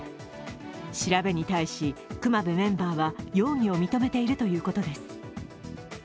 調べに対し、隈部メンバーは容疑を認めているということです。